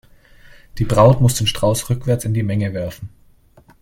Die Braut muss den Strauß rückwärts in die Menge werfen.